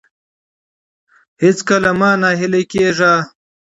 هیڅکله مه نه هیلي کیږئ.